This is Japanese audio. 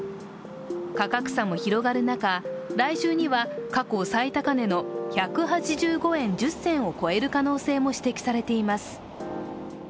価格差も広がる中、来週には過去最高値の１８５円１０銭を超える可能性も指摘されています。